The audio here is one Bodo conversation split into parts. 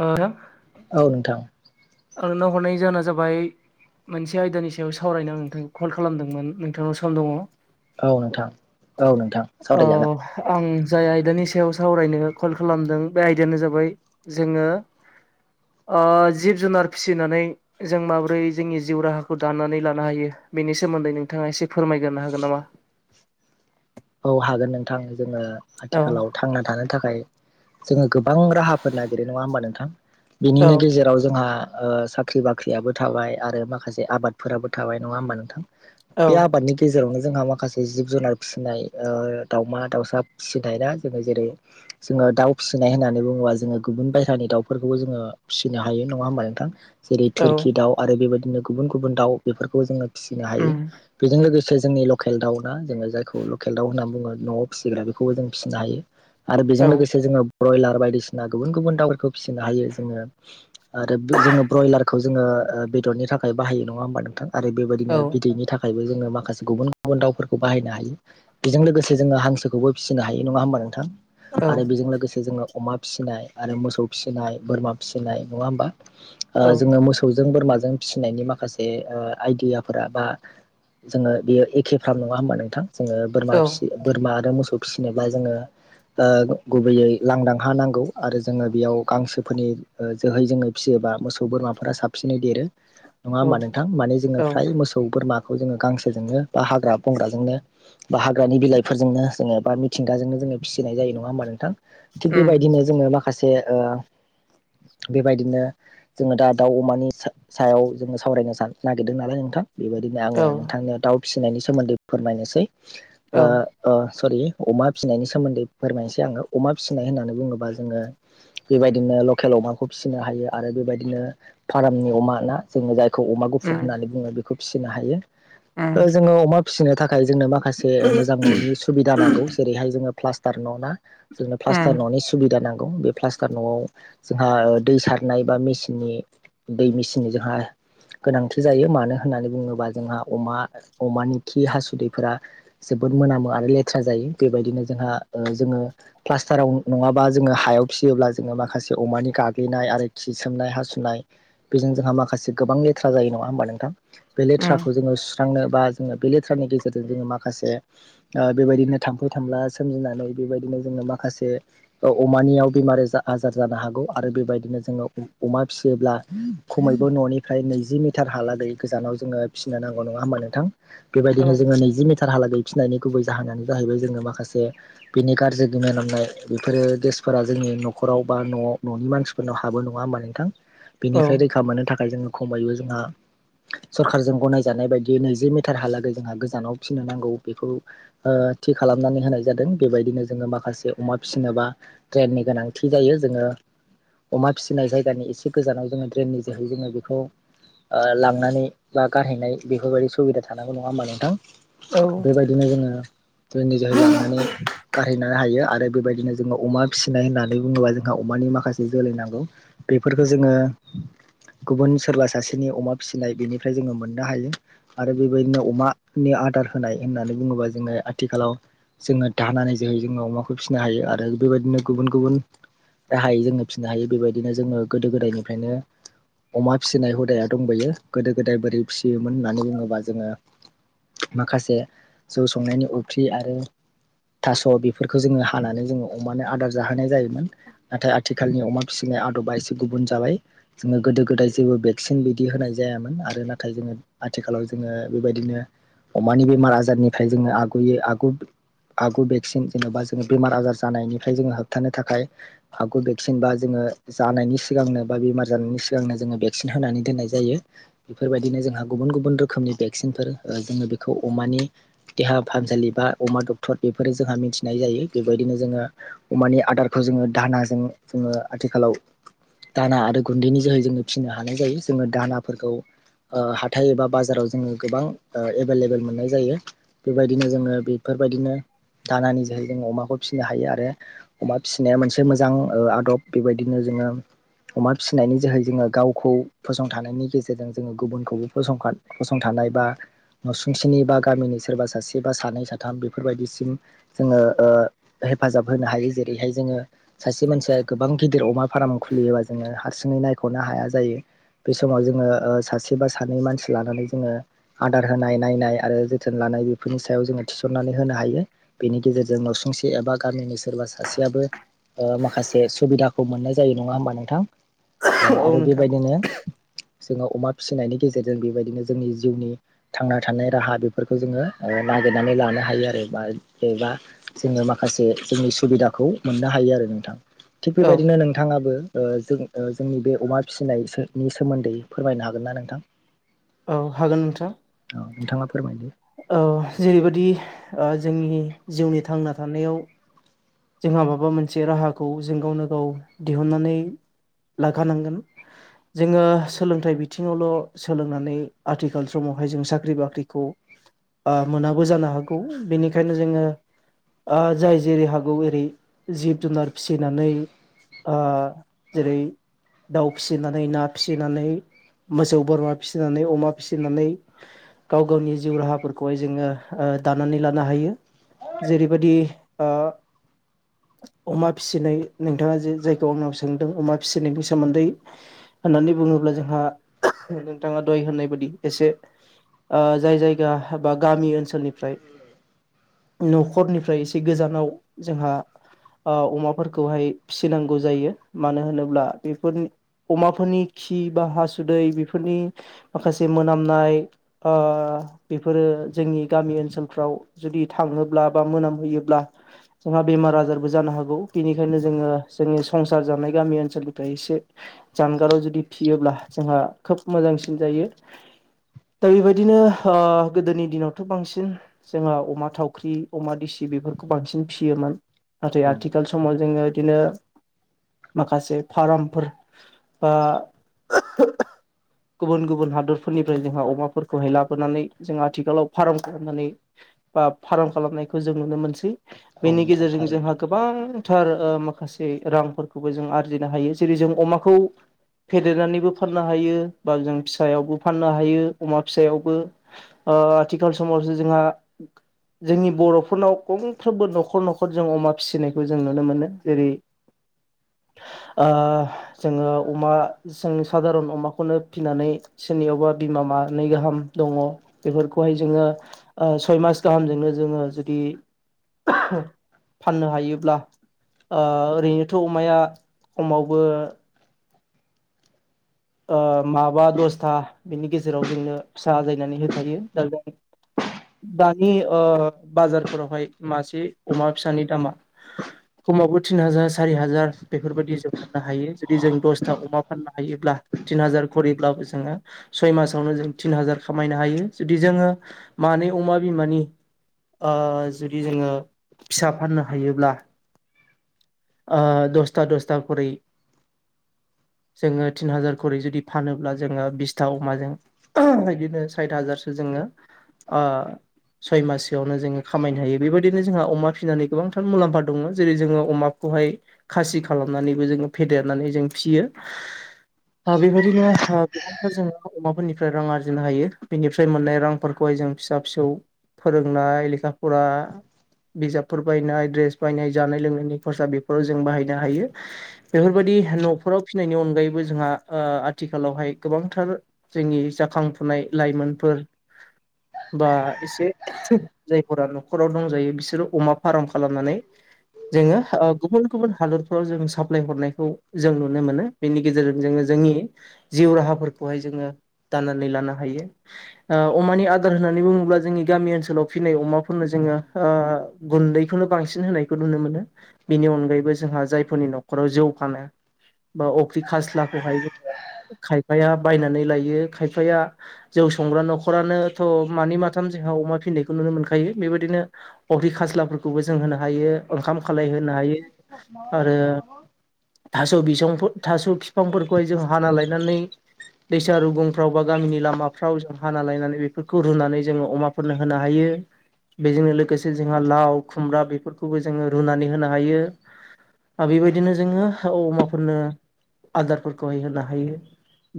ओ औ नोंथां। आं नाव हरनाय जाहोना जाबाय मोनसे आयदानि सायाव सावरायनो आं नोंथांखौ कल खालामदोंमोन नोंथांनाव सम दङ। औ नोंथां औ नोंथां ओ सावरायजागोन। आं जाय आयदानि सायाव सावरायनो कल खालामदों बे आयदायानो जाबाय जोङो। ओ जिब जुनार फिसिनानै जों माबोरै जोंनि जिउ राहाखौ दानानै लानो हायो बेनि सोमोन्दैोंथाङा एसे एसे फोरमायग्रोनो हागोन नामा? औ हागोन नोंथां। जोङो औ आथिखालाव थांना थानो थाखाय जोङो गोबां राहाफोर नागिरो नङा होमबा नोंथां। औ बिनिनो गेजेराव जोंहा। ओ साख्रि बाख्रियाबो थाबाय आरो माखासे आबादफोराबो थाबाय नङा होमबा नोंथां। औ बे आबादनि गेजेरावनो जोंहा माखासे जिब जुनार फिसिनाय ओ दावमा दाउसा फिसिनाय ना जोङो जेरै जोङो दाउ फिसिनाय होननानै बुङोबा जोङो गुबुन बायहेरानि दाउफोरखौबो जोङो फिसिनो हायो नङा होमबा नोंथां। जेरै औ थुरकि दाउ आरो बेबायदिनो गुबुन गुबुन दाउ बेफोरखौ जोङो फिसिनो हायो उम बेजों लोगोस सोर जोंनि लकेल दाउ ना जोङो जायखौ लकेल दाउ होनना बुङो न'आव फिसिग्रा बेखौबो जों फिसिनो हायो। आरो औ बेजों लोगोसे जोङो ब्रयलार बायदि सिना गुबुन गुबुन दावफोरखो फिसिनो हायो जोङो आरो बो जोंनो ब्रयलारखौ जोङो ओ बेदरनि नि थाखाय बाहायो नङा होमबा नोंथां। आरो बेबादिनो औ बिदैनि थाखायबो जोङो माखासे गुबुन गुबुन दाउफोरखौ बाहायनो हायो। बेजों लोगोसे जोङो हांसोखौबो फिसिनो हायो नङा होमबा नोंथां औ आरो बेजों लोगोसे जोङो अमा फिसिनाय आरो मोसौ फिसिनाय बोरमा फिसिनाय नङा होमबा ओ औ जोङो मोसौ जों बोरमाजों फिसिनायनि माखासे ओ आइदियाफोरा बा जोङो बियो एखे फ्राम नङा होमबा नोंथां जोङो बोरमा औ फिसि बोरमा आरो मोसौ फिसिनोब्ला जोङो ओ गुबैयै लांदां हा नांगौ आरो जोङो बेयाव गांसोफोरनि ओ जोहै जोङो फिसियो। बा मोसौ बोरमाफोरा साबसिनै देरो नङा होमबा नोंथां? माने जोङो फ्राय मोसौ बोरमाखौ जोङो गांसोजोंनो बा हाग्रा बंग्राजोंनो बा हाग्रानि बिलाइफोरजोंनो जोङो बा मिथिंगाजोंनो जोङो फिसिनाय जायो नङा होमबा नोंथां? थिग उम बेबायदिनो जोङो माखासे ओ बेबायदिनो जोङो दा दाउ अमानि सा-सायाव जोङो सावरायनो सान-नागिरदों नालाय नोंथां बेबादिनो आङो औ नोंथांनियाव दाउ फिसिनायनि सोमोन्दै फोरमायनोसै ओ औ ओ सरि अमा फिसिनायनि सोमोन्दै फोरमायनोसै आङो अमा फिसिनाय होननानै बुङोबा जोङो बेबायदिनो ओ लखेल अमाखौ फिसिनो हायो आरो बेबादिनो फारामनि अमा ना जोङो जा खौ अमा गुफुर उम होननानै बुङो बेखौ फिसिनो हायो उम ओ जोङो अमा फिसिनो थाखाय जोंनो माखासे मोजां न'नि सुबिदा नांगौ जेरैहाय जोङो प्लास्टार न' ना जोंनो उम प्लास्टार न'नि सुबिदा नांगौ बे प्लास्टार न'आव जोंहा ओ दै सारनाय बा मेसिननि दै मेसिननि जोंहा गोनांथि जायो मानो होननानै बुङोबा जोंहा अमा अमानि खि हासुदैफोरा जोबोद मोनामो आरो लेथ्रा जायो बेबायदिनो जोंहा ओ जोङो प्लास्टाराव नङाबा जों ङो हायाव फिसियोब्ला जोङो माखासे अमानि गाग्लिनाय आरो खिसोमनाय हासुनाय बेजों जोंहा माखासे से गोबां लेथ्रा जायो नङा होमबा नोंथां? बे उम लेथ्राखौ जोङो सुस्रांनो बा जोङो बे लेथ्रानि गेजेरजों जोङो मा खासे ओ बेबायदिनो थाम्फै थामला सोमजिनानै बेबायदिनो जोङो माखासे ओ अमा नियाव बेमार एज आजार जानो हागौ आरो बेबादिनो जोङो अमा फिसियोब्ला खमैबो न'नि फ्राय नैजि मिटार हालागै गोजानाव जोङो फिसिनो नांगौ नङा होमबा नोंथां? औ बेबायदिनो जोङो नैजि मिट टारहालागै फिसिनायनि गुबै जाहोनानो जाहैबाय जोङो माखासे बिनि गार्जि गोम मोनामनाय बेफोरो गेस फोरा जोंनि न'खराव बा न'आव न'नि मानसिफोरनाव हाबो नङा होमबा नोंथां? औ बिनिफ्राय रैखा मोननो थाखाय जोङो ख खमैबो जोंहा सरखारजों गनायजानाय बायदि नैजि मिटारहालागै जोंहा गोजानाव फिसिनो नांगौ बेखौ ओ थि खालामनानै होनाय जादों बेबायदिनो जोङो माखासे अमा फिसिनोबा ड्रेननि गोनांथि जायो जोङो अमा फिसिनाय जायगानि एसे गोजानाव जोङो ड्रेननि जोहै जोङो बेखौ ओ लांनानै बा गाहायनाय बेफोरबायदि सुबिदा थानांगौ नङा होमबा नोंथां? औ बेबायदिनो जोङो ड्रेननि जोहै लांनानै गारहैनो हायो आरो बेबायदिनो जोङो अमा फिसिनाय होननानै बुङोबा जोंहा अमानि माखासे जोलै नांगौ। बेफोरखो जोङो गुबुन सोरबा सासेनि अमा फिसिनाय बेनिफ्राय जोङो मोननो हायो आरो बेबायदिनो अमानि आद दार होनाय होननानै बुङोबा जोङो आथिखालाव जोङो दानानै जोहै जोङो अमाखौ फिसिनो हायो आरो बेबायदिनो गुबुन गुबुन राहायै जोङो फिनो हायो बेबायदिनो जोङो गोदो गोदायनिफ्रायनो अमा फिसिनाय हुदाया दंबोयो गोदो गोदाय बोरै फिसियोमोन होननानै बुङोब्ला जोङो माखासे जौ संनायनि अफ्रि आरो थास' बेफोरखौ जोङो हानानै जोङो अमानो आदार जाहोनाय जायोमोन नाथाय आथिखालनि अमा फिसि आनायनि आदबा एसे गुबुन जाबाय जोङो गोदो गोदाय जेबो भेक्सिन बिदि होनाय जायामोन आरो नाथाय जोङो आथिखालाव जोङो बेबायदिनो अमानि बेमार आजारनिफ्राय जोङो आगुयै आगु आगु भेक्सिन जेन'बा जोङो बेमार आजार जानायनिफ्राय जोङो होबथानो थाखाय आगु भेक्सिन बा जोङो जानायनि सिगांनो बा बेमार जानायनि सिगांनो जोङो भेक्सिन होनानै दोननाय जायो। बेफोरबायदिनो जोंहा जा गुबुन गुबुन रोखोमनि भेक्सिनफोर ओ जोङो बेखौ अमानि देहा फाहामसालि बा अमा डक्टर बेफोरो जोंहा मिथिनाय जायो बेबायदि बिदिनो जोङो अमानि आदारखौ जोङो दानाजों जोङो आथिखालाव दाना आरो गुन्दैनि जोहै जोङो फिसिनो हानाय जायो जोङो दानाफोरखौ ओ हाथाय एबा बाजाराव जोङो गोबां एभेलेभेल मोननाय जायो बेबायदिनो जोङो बेफोरबायदिनो दानानि जोहै जों अमाखौ फिसिनो हायो आरो अमा फिसिनाया मोनसे मोजां आदब बेबायदिनो जों जोङो अमा फिसिनायनि जोहै जोङो गावखौ फसंथानायनि गेजेरजों जोङो गुबुनखौबो फसं फसंथानो नायबा नसुंसेनि बा गामिनि सोरबा सासे बा सानै साथाम बेफोरबायदिसिम जोङो हेफाजाब होनो हायो जेरैहाय जोङो सासे मानसिया गोबां गिदिर अमा फार्म खुलियोबा जोङो हार सिङै नायख'नो हाया जायो बे समाव जोङो सासे बा सानै मानसि लानानै जोङो आदार होनाय नायनाय आरो जोथोन लानाय बेफोरनि सायाव जोङो थिसननानै होनो हायो बेनि गेजेरजों नसुं से एबा गामिनि सोरबा सासेयाबो ओ माखासे सुबिदाखौ मोननाय जायो नङा होमबा नोंथां? ओ औ आरो नोंथां बेबायदिनो जोङो अमा फिसिनायनि गेजेरजों बेबायदिनो जोंनि जिउनि थांना थानाय राहा बेफोरखौ जोङो ओ नागिरनानै लानो हायो आरो बा जबा जोङो माखासे जोंनि सुबिदाखौ मोननो हायो आरो नोंथां थिग औ बेबायदिनो नोंथाङाबो ओ जों जोंनि बे अमा फिसिनायोनि सोमोन्दै फोरमायनो हागोन ना नोंथां? औ हागोन नोंथां। औ नोंथाङा फोरमायदो ओ जेरैबायदि जोंनि ओ जिउनि थांना थानायाव जोंहा माबा मोनसे राहाखौ जों गावनो गाव दिहुननानै लाखानांगोन। जोङो सोलोंथाइ बिथिङावल' सोलोंनानै आथिखाल समावहाय जों साख्रि बाख्रिखौ आ मोनाबो जानो हागौ आ बेनिखायनो जोङो जाय जेरै हागौ ओरै जिब जुनार फिसिनानै आ जेरै दाउ फिसिनानै ना फिसिनानै मोसौ बोरमा फिसिनानै अमा फिसिनानै गाव गावनि जिउ राहाफोरखौहाय जोङो दानानै लानो हायो जेरैबायदि [inaudible] अमा फिसिनाय नोंथाङा जे जायखौ आंनाव सोंदों अमा फिसिनायनि सोमोन्दै होननानै होननानै बुङोब्ला जोंहा नोंथाङा दय होननाय बायदि एसे आ जाय जायगा बा गामि ओनसोलनिफ्राय न'खरनिफ्राय एसे गोजानाव जोंहा अ अमाफोरखौहाय फिसिनांगौ जायो मानो होनोब्ला बेफोरनि अमाफोरनि खि बा हासुदै बेफोरनि माखासे मोनामनाय बेफोरो जोंनि गामि ओनसोलफ्राव जुदि थाङोब्ला बा मोनामहोयोब्ला जोंहा बेमार आजारबो जानो हागौ बेनिखायनो जोङो जोंनि संसार जानाय गामि ओनसोलनिफ्राय एसे जानगाराव जुदि फियोब्ला जोंहा खोब मोजांसिन जायो। दा बेबायदिनो आ गोदोनि दिनावथ' बांसिन जोंहा अमा थावख्रि अमा दिसि बेफोरखौ बांसिन फियोमोन नाथाय औ आथिखाल नोंगौ समाव जोङो बिदिनो माखासे फारमफोर बा गुबुन गुबुन हादरफोरनिफ्राय जोंहा अमाफोरखौहाय लाबोनानै जों आथिखालाव फार्म खालामनानै बा फार्म खालामनायखौ जों नुनो मोनसै औ बेनि नोंथां गेजेरजों थारैनो जोंहा गोबां थार माखासे रांफोरखौबो जों आरजिनो हायो जेरै जों अमाखौ फेदेरनानैबो फाननो हायो बा जों फिसायावबो फाननो हायो अमा फिसायावबो आथिखाल समावसो जोंहा जोंनि बर'फोरनाव गंफ्रोमबो न'खर न'खर न'खर जों अमा फिसिनायखौ जों नुनो मोनो जेरै [inaudible] जोङो अमा जों साादारन अमाखौनो फिनानै सोरनियावबा बिमा मानैै गाहाम दङ बेफोरखौहाय जोङो सय मास गाहामजोंनो जोङो जुदि [inaudible] फाननो हायोब्ला ओरैनोथ' अमाया खमावबो ओ माबा दसथा बिनि गेजेराव जोंनो फिसा आजायनानै होखायो दा जों दानि ओ बाजारफोरावहाय मासे अमा फिसानि दामा [inaudible] खमावबो थिन हाजार सारि हाजार बेफोरबायदि जों मोननो हायो जुदि जों दसथा अमा फाननो हायोब्ला तिन हाजार खरिब्लाबो जोङो सय मासावनो जों थिन हाजार खामायनो हायो जुदि जोङो मा नै अमा बिमानि ओ जुदि जोङो फिसा फाननो हायोब्ला ओ दसथा दसथा खरै जोङो तिन हाजार। खरै जुदि फानोब्ला जोङो बिसथा अमाजों बिदिनो साइथ हाजारसो जोङो आ सय मासोआवनो जोङो खामायनो हायो बेबायदिनो जोंहा अमा फिनानै गोबांथार मुलाम्फा दङ जेरै जोङो अमाखौ खौहाय खासि खालामनानैबो जोङो फेदेरनानै जों फियो। बेबायदिनो गोबांथार जोङो अमाफोरनिफ्राय रां आरजिनो हायो बिनिफ्राय मोननाय रांफोरखौहाय जों फिसा फिसौ। फोरोंनाय लेखा फरा बिजाबफोर बायनाय ड्रेस बायनाय जानाय लोंनायनि खरसा बेफोराव जों बाहायनो हायो बेफोरबायदि न'फोराव फिनायनि अनगायैबो जोंहा आथिखालावहाय गोबांथार जोंनि जाखां फुनाय लाइमोनफोर बा एसे जायफोरा न'खराव दंजायो बिसोरो अमा फार्म खालामनानै जोङो गुबुन गुबुन हादरफ्राव जों साप्लाय हरनायखौ जों नुनो मोनो बेनि गेजेरजों जोङो जोंनि जिउ राहाफोरखौहाय जोङो दानानै लानो हायो ओ अमानि आदार होननानै बुङोब्ला जोंनि गामि ओनसोल आव फिनाय अमाफोरनो जोङो ओ गुन्दैखौनो बांसिन होनायखौ नुनो मोनो बिनि अनगायैबो जोंहा जायफोरनि न'खराव जौ फानो बा अफ्रि खास्लाखौहाय जोङो खायफाया बायनानै लायो खायफाया जौ संग्रा न'खरानोथ' मानि माथाम जोंहा अमा फिनायखौ नुनो मोनखायो बेबायदिनो अफ्रि खास्लाफोरखौबो जों होनो हायो। ओंखाम खालायहोनो हायो आरो थास' बिसंफोर। थास' बिफांफोरखौहाय जों हाना लायनानै दैसा रुगुंफ्राव बा गामिनि लामाफ्राव जों हाना लायनानै बेफोरखौ रुनानै जोङो अमाफोरनो होनो हायो। बेजोंनो लोगोसे जोंहा लाव खुमब्रा बेफोरखौबो जोङो रुनानै होनो हायो। आरो बेबायदिनो जोङो अमाफोरनो आदारफोरखौहाय होनो हायो।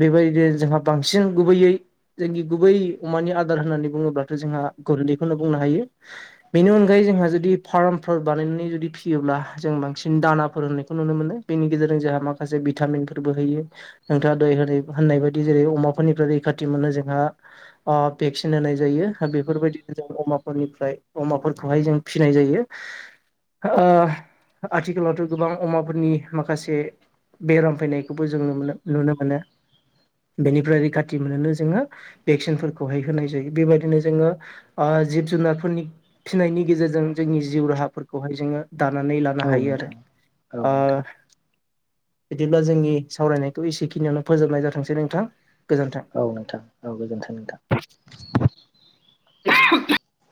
बेबायदिनो जोंहा बांसिन गुबैयै जोंनि गुबै अमानि आदार होननानै बुङोब्लाथ' जोंहा गुन्दैखौनो बुंनो हायो बेनि अनगायै जोंहा जुदि फार्मफोर बानायनानै जुदि फियोब्ला जों बांसिन दाना फोर होननायखौ नुनो मोनो बेनि गेजेरजों जोंहा मा खासे भिटामिनफोरबो होयो नोंथाङा दहाय होनाय होननाय बायदि जेरै अमाफोरनिफ्राय रैखाथि मोनो जोंहा ओ भेक्सिन होनाय जायो बेफोरबायदिनो जों अमाफोरनिफ्राय अमाफोरखौहाय जों फिनाय जायो। [unintelligible] ओ आथिखालावथ' गोबां अमाफोरनि माखासे बेराम फैनायखौबो जों नो नुनो मोनो। बेनिफ्राय रैखाथि मोनोनो जोङो भेक्सिनफोरखौहाय होनाय जायो बेबायदिनो जोङो ओ जिब जुनारफोरनि फिनायनि गेजेरजों जोंनि जिउ राहाफोरखौहाय जोङो दानानै लानो औ हायो आरो नोंथां औ ओ नोंथां बिदिब्ला जोंनि सावरायनायखौ एसेखिनियावनो फोजोबनाय जाथोंसै नोंथां। गोजोन्थों। औ नोंथां औ गोजोनथों नोंथां। [unintelligible]